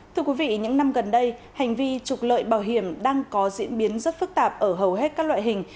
thưa quý vị những năm gần đây hành vi trục lợi bảo hiểm đang có diễn biến rất phức tạp ở hầu hết các loại hình